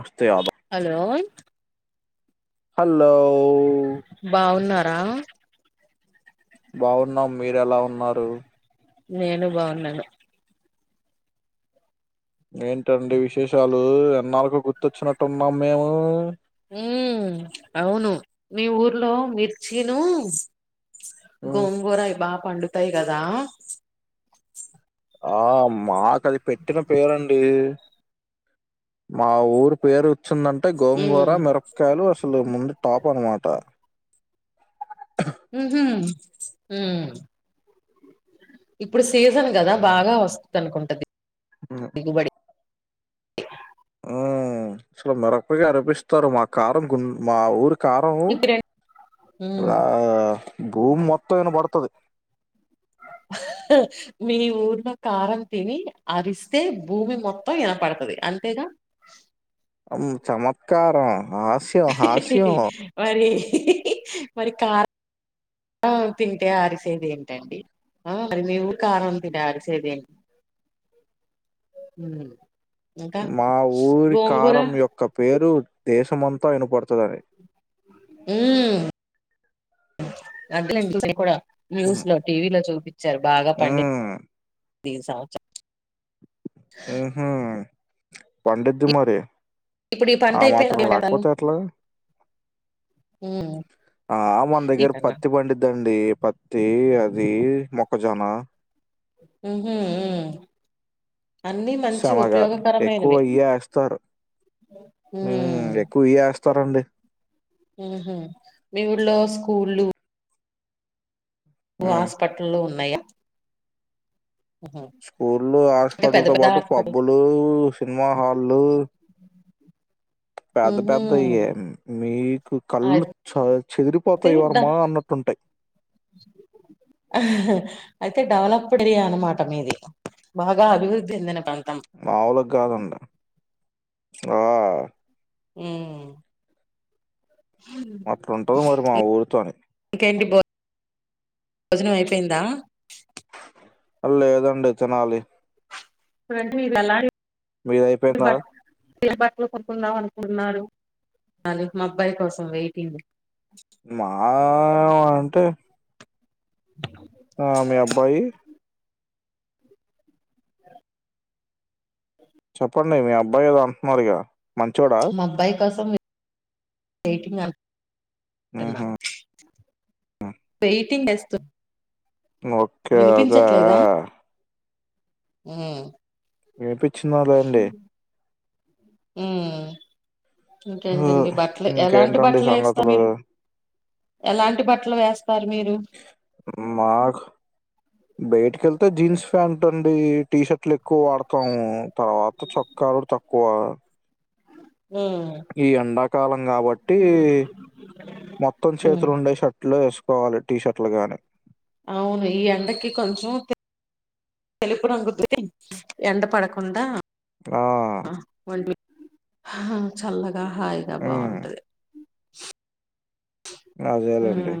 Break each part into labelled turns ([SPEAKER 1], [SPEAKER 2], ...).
[SPEAKER 1] వస్తే ఆప్
[SPEAKER 2] hello
[SPEAKER 1] hello
[SPEAKER 2] బావున్నారా
[SPEAKER 1] బాగున్నాం మీరెలా ఉన్నారు
[SPEAKER 2] నేను బాగున్నాను
[SPEAKER 1] ఏంటండి విశేషాలు ఎన్నాళ్ళకో గుర్తొచ్చినట్టు ఉన్నాం మేము
[SPEAKER 2] హ్మ్మ్ అవును మీ ఊర్లో మిర్చిను
[SPEAKER 1] ఉమ్,
[SPEAKER 2] గోంగూరా అయి బాగా పండుతాయి కదా
[SPEAKER 1] ఆ మాకు అది పెట్టిన పేరండి మా ఊరి పేరు వచ్చిందంటే
[SPEAKER 2] ఉమ్
[SPEAKER 1] గోంగూర మిరపకాయలు అసలు ముందు టాప్ అనమాట
[SPEAKER 2] హుమ్ ఇప్పుడు సీజన్ కదా బాగా వస్తుంది అనుకుంటది
[SPEAKER 1] హ్మ్మ్
[SPEAKER 2] దిగుబడి
[SPEAKER 1] ఆ అసలు మెరపగాయి అరిపిస్తారు మా కారం గుం మా ఊరు కారం
[SPEAKER 2] ఇప్పుడు ఉమ్
[SPEAKER 1] భూమ్ మొత్తం తం వినపడతది
[SPEAKER 2] మీ ఊరిలో కారం తిని అరిస్తే భూమి మొత్తం విన పడుతది అంతేగా
[SPEAKER 1] అ చమత్కారం హాస్యం హాస్యం
[SPEAKER 2] మరి మరి కారం తింటే అరిసేది ఏంటండి ఆ మరి మీ ఊరి కారం తిని అరిసేది ఇంకా
[SPEAKER 1] మా ఊరి
[SPEAKER 2] గోంగూర
[SPEAKER 1] కారం యొక్క పేరు దేశమంతా వినపడుతదని
[SPEAKER 2] హ్మ్మ్ అట్లే ఉంటది కూడా న్యూస్ లో టీవీ లో చూపించారు బాగా పండి
[SPEAKER 1] మ్మ్
[SPEAKER 2] ఈ సంవత్సరం
[SPEAKER 1] హ్మ్మ్ పండిద్ది మరి
[SPEAKER 2] ఇప్పుడు ఈ పంట
[SPEAKER 1] ఆ మాత్రం
[SPEAKER 2] అయిపోయింది
[SPEAKER 1] లేకపోతే ఎట్లా
[SPEAKER 2] మ్మ్
[SPEAKER 1] ఆ మన
[SPEAKER 2] ఈ
[SPEAKER 1] దగ్గర
[SPEAKER 2] కన్నా
[SPEAKER 1] పత్తి పండిద్దండి పత్తి ది మొక్కజొన్న
[SPEAKER 2] హుహు హామ్
[SPEAKER 1] శనగ ఎక్కువ ఇయ్యే వేస్తారు ఉ
[SPEAKER 2] మ్మ్
[SPEAKER 1] ఎక్కువయియే ఏస్తారండి
[SPEAKER 2] హ్మ్మ్ మీ ఊళ్లో స్కూల్లు
[SPEAKER 1] మ్మ్
[SPEAKER 2] హాస్పిటల్లు ఉన్నాయా మ్హూ
[SPEAKER 1] స్కూల్లు
[SPEAKER 2] అంటే
[SPEAKER 1] హాస్పిటల్
[SPEAKER 2] పెద్ద
[SPEAKER 1] తో
[SPEAKER 2] పెద్ద
[SPEAKER 1] పాటు
[SPEAKER 2] హాస్పిటల్
[SPEAKER 1] పబ్బులు సినిమా హాళ్లు పెద్ద
[SPEAKER 2] మ్హూ
[SPEAKER 1] పెద్దయి మీ కళ్ళు
[SPEAKER 2] అయితే
[SPEAKER 1] చ చెదిరిపోతాయి
[SPEAKER 2] డ
[SPEAKER 1] వర్మ అన్నట్టుంటాయి
[SPEAKER 2] అయితే డెవలప్డ్యా అనమాట మీది బాగా అభివృద్ధి చెందిన ప్ర
[SPEAKER 1] మావులుకి కాదండి
[SPEAKER 2] మ్మ్
[SPEAKER 1] అట్డుంటది మరి మా ఊరితోని
[SPEAKER 2] ఇంకేంటి భో భోజనం అయిపోయిందా
[SPEAKER 1] లేదండి తినాలి
[SPEAKER 2] [unintelligible]
[SPEAKER 1] మీరు అయిపోయింద
[SPEAKER 2] బట్ బట్టలు కొంటకుందాం అనుకుంటున్నారు అది మా అబ్బాయి కోసం వెయిటింగ్
[SPEAKER 1] మా అంటే ఆ మీ అబ్బాయి చెప్పండి మీ అబ్బాయి కదా అంటున్నారు ఇక మంచోడా
[SPEAKER 2] మా అబ్బాయి కోసం వెయిటింగ్ అ
[SPEAKER 1] ఆహా
[SPEAKER 2] వెయిటింగ్ వస్తు
[SPEAKER 1] ఓకే అదా
[SPEAKER 2] హు
[SPEAKER 1] వినిపించిందలా అండి
[SPEAKER 2] మ్మ్ ఇంకేంటండి బట్టలు ఎలాంటి
[SPEAKER 1] ఇంకేంటండి
[SPEAKER 2] బట్టలు వేస్తా
[SPEAKER 1] సంగతులు
[SPEAKER 2] మీరు ఎలాంటి బట్టలు వేస్తారు మీరు
[SPEAKER 1] బయటిక వెళ్తే జీన్స్ ప్యాంటట్ అండి టీ షర్ట్లు ఎక్కువ వాడతాము తర్వాత చొక్కా ఆడుతా తకువ
[SPEAKER 2] మ్మ్
[SPEAKER 1] కాలం కాబట్టి మొత్తం
[SPEAKER 2] ఉమ్
[SPEAKER 1] చేతులు ఉండే షట్లు వేసు కోవాలి టీషర్ట్లు గానీ
[SPEAKER 2] అవును ఈ ఎండకి కొంచెం తెలుపు రంగుతు ఎండ పడకుండా
[SPEAKER 1] ఆ
[SPEAKER 2] ఒంటి చల్లగా హాయిగా
[SPEAKER 1] హ్మ్.
[SPEAKER 2] బావుంటుది
[SPEAKER 1] అదేలేండి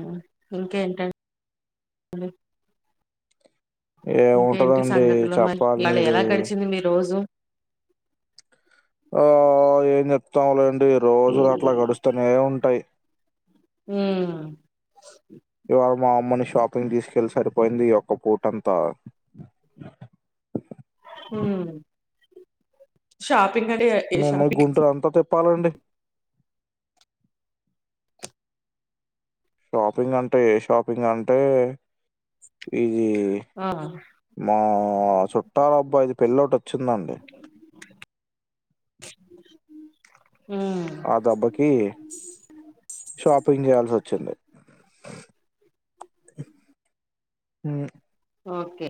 [SPEAKER 2] ఇంకేంటండి హలో ఇంకేంటి
[SPEAKER 1] ఏముంటదండి
[SPEAKER 2] సంగతిలో మరి
[SPEAKER 1] చెప్పాలి
[SPEAKER 2] వాళ్ళు
[SPEAKER 1] మీరు.
[SPEAKER 2] ఎలా గడిచింది మీ రోజు
[SPEAKER 1] ఆ ఏం చెప్తాములేండి రోజులు అట్లా గడుస్తూనే ఉంటాయి
[SPEAKER 2] హూ
[SPEAKER 1] ఇవాల్ మా అమ్మని షాపింగ్ తీసుకెళ్ళి సరిపోయింది ఈ యొక్క పూట అంతా
[SPEAKER 2] హు షాప్
[SPEAKER 1] మా అమ్మ కు గుంటూరు అంతా తిప్పాలండి షాపింగ్ అంటే ఏ షాపింగ్ అంటే ఈ ఇది
[SPEAKER 2] ఆ
[SPEAKER 1] మా చుట్టాల అబ్బాయిది పెళ్ళటి వచ్చిందండి
[SPEAKER 2] ఉమ్
[SPEAKER 1] ఆ దబ్బకి షాపింగ్ చేయాల్సి వచ్చింది మ్మ్
[SPEAKER 2] ఓకే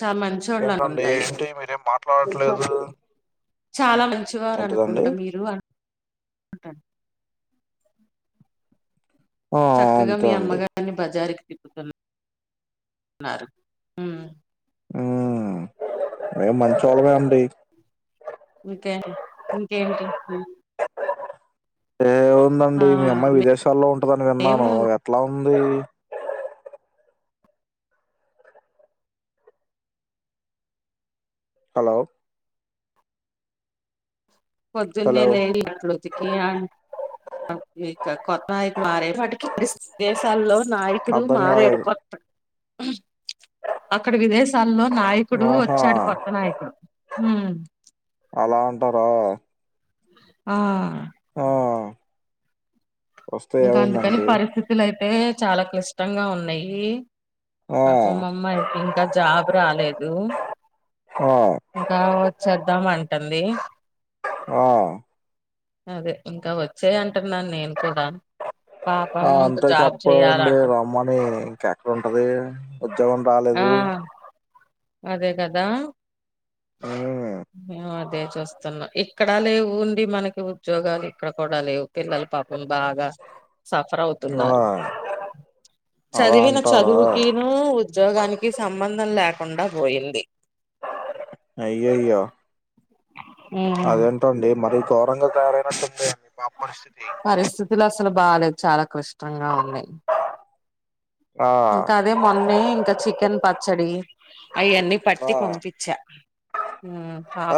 [SPEAKER 2] చాలా మంచోళ్ళు
[SPEAKER 1] ఏంటండి
[SPEAKER 2] అనుకుంటా అయితే
[SPEAKER 1] ఏంటి మీరేం మాట్లాడట్లేదు
[SPEAKER 2] చాలా మంచివారు
[SPEAKER 1] ఏంటిదండి?
[SPEAKER 2] అనుకుంటా మీరు అ [unintelligible]
[SPEAKER 1] ఆ!
[SPEAKER 2] చక్కగా మీ
[SPEAKER 1] అంతే అండి.
[SPEAKER 2] అమ్మగారిని బజార్కి తీసు కె ళ్ళారు
[SPEAKER 1] హ్మ్ మేం మంచోలమే అండి
[SPEAKER 2] ఇంకేం ఇంకేంటి
[SPEAKER 1] ఏ
[SPEAKER 2] ఆ
[SPEAKER 1] ఉందండి మీ అమ్మాయి విదేశాల్లో ఉంటుందని
[SPEAKER 2] మేము
[SPEAKER 1] విన్నాను ఎట్లా ఉంది హలో
[SPEAKER 2] పొద్దున్నే
[SPEAKER 1] హలో
[SPEAKER 2] లేచి బట్టలు ఉతికి అంట్లు కొత్తయి మారే వాటికి విదేశాల్లో నాయకుడు
[SPEAKER 1] అర్ధం
[SPEAKER 2] మారాడు
[SPEAKER 1] కాలేదు
[SPEAKER 2] కొత్త అక్కడ విదేశాల్లో నాయకుడు
[SPEAKER 1] ఆహా
[SPEAKER 2] వచ్చాడు కొత్త నాయకుడు హ్మ్
[SPEAKER 1] అలా అంటారా
[SPEAKER 2] ఆ
[SPEAKER 1] ఆ వస్తే
[SPEAKER 2] ఇంకా అందుకని
[SPEAKER 1] ఏమైందండి
[SPEAKER 2] పరిస్థితులు అయి అంటే చాలా క్లిష్టంగా ఉన్నాయి
[SPEAKER 1] ఆ
[SPEAKER 2] పాపం మా అమ్మాయికి ఇంకా జాబ్ రాలేదు
[SPEAKER 1] ఆ
[SPEAKER 2] ఇంకా వచ్చేద్దాం అంటంది
[SPEAKER 1] ఆ
[SPEAKER 2] అదే ఇంకా వచ్చేయి అంటున్నాను నేను కూడా పాపం
[SPEAKER 1] ఆ
[SPEAKER 2] ఇంకా
[SPEAKER 1] అంతే
[SPEAKER 2] జాబ్
[SPEAKER 1] చెప్పేయండి
[SPEAKER 2] చేయాలంట
[SPEAKER 1] రమ్మని ఇంకెక్కడ ఉంటది ఉద్యోగం
[SPEAKER 2] ఆ
[SPEAKER 1] రాలేదు
[SPEAKER 2] అదే కదా
[SPEAKER 1] మ్మ్
[SPEAKER 2] ఏ ఇదే చూస్తున్నాం ఇక్కడ లేవు ఉండి మనకి ఉద్యోగాలు ఇక్కడ కూడా లేవు పిల్లలు పాపం బాగా సఫర్
[SPEAKER 1] ఆ
[SPEAKER 2] అవుతున్నారు
[SPEAKER 1] అలా
[SPEAKER 2] చదివిన
[SPEAKER 1] అంటారా
[SPEAKER 2] చదువుకిను ఉద్యోగానికి సంబంధం లేక ఉండా పోయింది
[SPEAKER 1] అయ్యాయ్యో అదేంటండి మరీ ఘోరంగా తయారైనట్టుంది అండి మా పరిస్థితి
[SPEAKER 2] పరిస్థితులు అసలు బాగాలేదు చాలా క్లిష్టంగా ఉన్నాయి
[SPEAKER 1] ఆ
[SPEAKER 2] ఇంకా అదే మొన్నె ఇంకా చికెన్ పచ్చడి అయన్నీ పట్టి
[SPEAKER 1] ఆ
[SPEAKER 2] పంపించా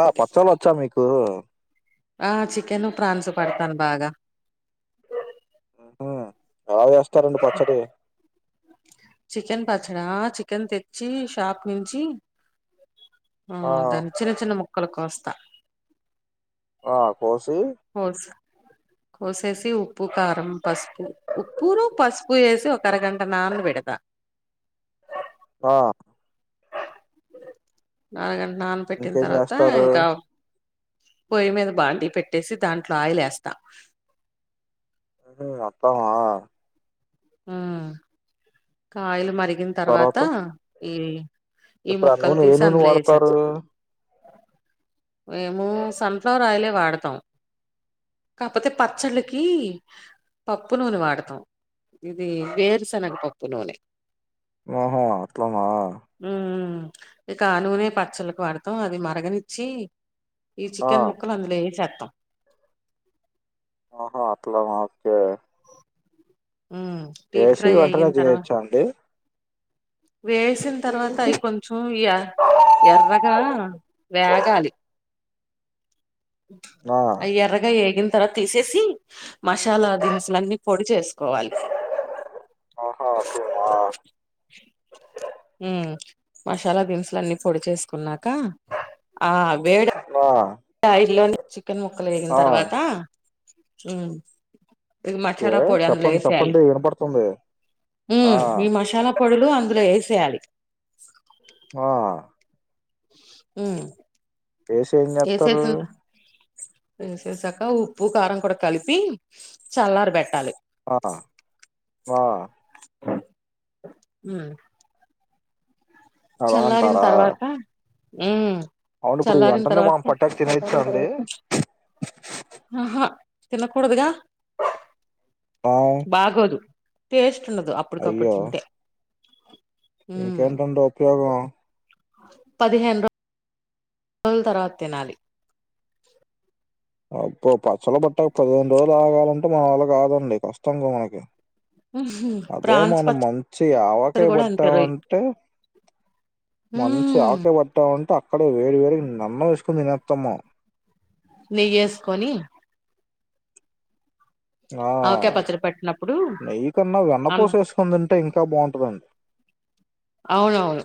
[SPEAKER 1] ఆ పచ్చళ్ళు వచ్చా మీకు
[SPEAKER 2] ఆ చికెను ప్రాన్సు పడతాను బాగా
[SPEAKER 1] హ్మ్ ఎలా చేస్తారండి పచ్చడి
[SPEAKER 2] అక్కడ చికెన్ తెచ్చి షాప్ నుంచి ఆ దాని చిన్న చిన్న ముక్కలు కోస్తా
[SPEAKER 1] ఆ కోసి
[SPEAKER 2] కోసి కోసేసి ఉప్పు కారం పసుపు ఉప్పును పసుపు వేసి ఒక అరగంట నాన పెడతా
[SPEAKER 1] ఆ
[SPEAKER 2] అరగంట నాన పెట్టిన
[SPEAKER 1] ఇంకేం
[SPEAKER 2] తర్వాత
[SPEAKER 1] చేస్తారు
[SPEAKER 2] ఇంకా పొయ్యి మీద బాండీ పెట్టేసి దాంట్లో ఆయిల్ ఎస్తా
[SPEAKER 1] [unintelligible]
[SPEAKER 2] హ్మ్ కాయలు మరిగిన తర్వాత ఈ ఈ
[SPEAKER 1] ఇప్పుడు ఆ
[SPEAKER 2] ముక్కలు
[SPEAKER 1] నూనె ఏ
[SPEAKER 2] తీసి
[SPEAKER 1] నూనె
[SPEAKER 2] అందులో
[SPEAKER 1] వాడతారు
[SPEAKER 2] ఏసెస్తా మేము సన్ ఫ్లవర్ ఆయిలే వాడతాం కాకపోతే పచ్చళ్ళకి పప్పు నూనె వాడతాం ఇది వేరుశెనగ పప్పు నూనె
[SPEAKER 1] ఆహా అట్లానా
[SPEAKER 2] హ్మ్. ఇక ఆ నూనే పచ్చళ్ళకి వాడతాం అది మరగనిచ్చి ఈ
[SPEAKER 1] ఆ
[SPEAKER 2] చికెన్ ముక్కలు అందులో ఏసేత్తం.
[SPEAKER 1] ఆహా అట్లనా ఓకె
[SPEAKER 2] హ్మ్. డీప్
[SPEAKER 1] ఏసి
[SPEAKER 2] ఫ్రై
[SPEAKER 1] వెంటనే
[SPEAKER 2] అయ్యిన తర్వా
[SPEAKER 1] చేయచ్చా అండి?
[SPEAKER 2] వేసిన తర్వాత అవి కొంచెం ఎ ఎర్రగా వేగాలి.
[SPEAKER 1] ఆ
[SPEAKER 2] అవి ఎర్రగా ఏగిన తర్వాత తీసేసి మసాలా నన్నీ పొడి చేసుకోవాలి.
[SPEAKER 1] ఆహా అట్లనా
[SPEAKER 2] మ్ మసాలా దిన్సులన్ని పొడి చేసుకున్నాక, ఆ వేడ
[SPEAKER 1] ఆ
[SPEAKER 2] ఆయిల్లోని చికెన్ ముక్కలు వేగిన
[SPEAKER 1] ఆ
[SPEAKER 2] తర్వాత, మ్ ఇది
[SPEAKER 1] ఓకే
[SPEAKER 2] మసాలా పొడి అందులో
[SPEAKER 1] చెప్పండి
[SPEAKER 2] వేసేయాలి.
[SPEAKER 1] చెప్పండి వినపడుతుంది ఆ
[SPEAKER 2] మ్ ఈ మసాలా పొడులు అందులో ఏసేయాలి.
[SPEAKER 1] ఆ
[SPEAKER 2] మ్
[SPEAKER 1] ఏసి ఏం చెత్తారు?
[SPEAKER 2] ఏసేసాక ఉప్పు కారం కూడా కలిపి చల్లార పెట్టాలి.
[SPEAKER 1] ఆ ఆ
[SPEAKER 2] మ్
[SPEAKER 1] అలా
[SPEAKER 2] చల్లారిన
[SPEAKER 1] అంటారా
[SPEAKER 2] తర్వాత, మ్
[SPEAKER 1] అవును ఇప్పుడు వెంటనే మనం పట్టాక తినేయచ్చ అండి.
[SPEAKER 2] ఆహా. తినకూడదుగా!
[SPEAKER 1] ఆ
[SPEAKER 2] బాగోదు. టేస్ట్ ఉండదు అప్పుటికప్పుడు
[SPEAKER 1] అయ్యో
[SPEAKER 2] తింటే. ఉమ్
[SPEAKER 1] ఇంకేంటండి ఉపయోగం
[SPEAKER 2] పదిహేను రో జుల తర్వాత తినాలి.
[SPEAKER 1] అబ్బో పచ్చళ్ళు పెట్టాక పదిహేను రోజులు ఆగాలంటే, మన వళ్ల కాదండి. కష్టంగా మనకి.
[SPEAKER 2] ఉహు
[SPEAKER 1] అదే
[SPEAKER 2] ప్రాన్స్
[SPEAKER 1] మనం మంచి
[SPEAKER 2] పచ్చడి కూడా అంతే రోయ్
[SPEAKER 1] ఆవకాయబట్టామంటే, మంచి
[SPEAKER 2] ఉమ్
[SPEAKER 1] ఆవకాయ బట్టామంటే అ అక్కడే వేడి వేడిగ నన్న ఏసుకొని తినేత్తం మనం.
[SPEAKER 2] నెయ్యేసుకొని
[SPEAKER 1] ఆ
[SPEAKER 2] ఆవకాయ పచ్చడి పెట్టినప్పుడు
[SPEAKER 1] నెయ్యి కన్నా,
[SPEAKER 2] అన్న
[SPEAKER 1] వెన్నపూస వేసుకొని తింటే ఇంక్ ఇంకా బాంటదండి.
[SPEAKER 2] అవునవును.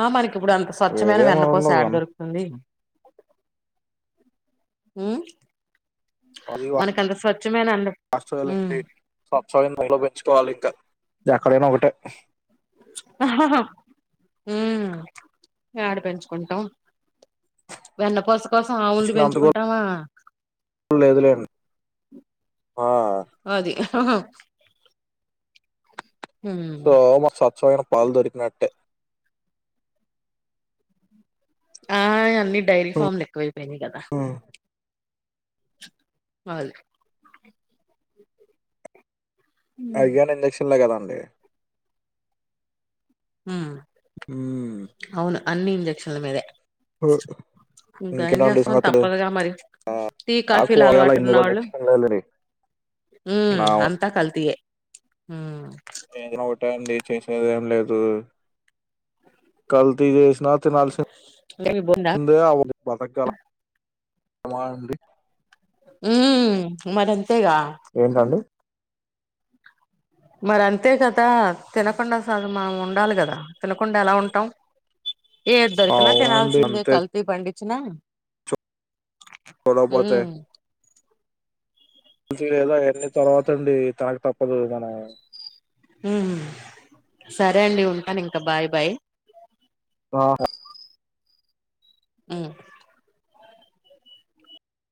[SPEAKER 2] ఆ మనకి ఇప్పుడు అంత స్వచ్ఛమైన
[SPEAKER 1] వేడే
[SPEAKER 2] వెన్నపూస
[SPEAKER 1] నూనెలో
[SPEAKER 2] యాడ
[SPEAKER 1] వెన్న
[SPEAKER 2] దొరుకుతుంది? మ్
[SPEAKER 1] అల్వా
[SPEAKER 2] ఉమ్
[SPEAKER 1] ఆస్టలోలింటి సబ్ సదన్ ఇంట్లో పెంచుకోవాలి ఇంక. ఎక్కడైనా ఒగటే.
[SPEAKER 2] మ్ యాడ పెంచుకుంటాం? వెన్నపూస కోసం ఆవుల్ ని
[SPEAKER 1] పెంచుకునేంత
[SPEAKER 2] పెంచుకుంటామా!
[SPEAKER 1] కూడా లేదులేండి ఆ
[SPEAKER 2] హ హా
[SPEAKER 1] సో మనకి స్వచ్చమైన పాలు దొరికినట్టే.
[SPEAKER 2] ఆ అన్ని డైరీ ఫామ్ లు ఎక్కువైపోయినాయి కదా! అది ఉమ్
[SPEAKER 1] అవి గాని ఇంజక్షన్లే కదండి!
[SPEAKER 2] మ్
[SPEAKER 1] మ్
[SPEAKER 2] అన్ని ఇంజక్షన్ల మీదే.
[SPEAKER 1] ఆ
[SPEAKER 2] ఇంక ఏం చేస్తాం తప్పదు గా మరి! టీ
[SPEAKER 1] నాకు
[SPEAKER 2] కాఫీలు
[SPEAKER 1] ఇవాళ
[SPEAKER 2] అలవాటు
[SPEAKER 1] ఇన్ని కూడా
[SPEAKER 2] ఉన్నవాళ్లు
[SPEAKER 1] ఇంజక్షన్లేనండి
[SPEAKER 2] మ్
[SPEAKER 1] నా
[SPEAKER 2] అంతా కల్తీయే. మ్
[SPEAKER 1] చేసేద్ ఏం లేదు. కల్తీ చేసినా తినాల్సిం
[SPEAKER 2] ఏమి బోండా
[SPEAKER 1] దే అవదు బతగలం. మా అండి
[SPEAKER 2] ఉమ్ మరింత
[SPEAKER 1] ఏంది అండి
[SPEAKER 2] మరి అంతే కదా తినకుండా అసలు మనం ఉండాలి కదా తినకుండా ఎలా ఉంటాం ఏది దొరికిన
[SPEAKER 1] అవునండి
[SPEAKER 2] తినాల్సిందే
[SPEAKER 1] అంతే
[SPEAKER 2] కల్తీ పండించిన
[SPEAKER 1] గొడవ పంచాయి లేదు అయన్నీ తర్వాత అండి తినక తప్పదు మన
[SPEAKER 2] హ్మ్ సరే అండి ఉంటాను ఇంకా బాయ్ బాయ్
[SPEAKER 1] ఆ
[SPEAKER 2] హ్మ్